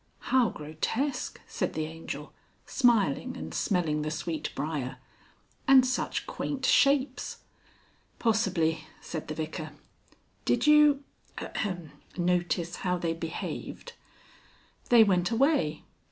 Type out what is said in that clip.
"How grotesque," said the Angel, smiling and smelling the sweet briar. "And such quaint shapes!" "Possibly," said the Vicar. "Did you, ahem, notice how they behaved?" "They went away.